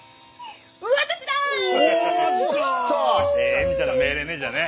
恵美ちゃんの命令ねじゃあね。